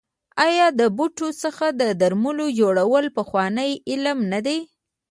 آیا د بوټو څخه د درملو جوړول پخوانی علم نه دی؟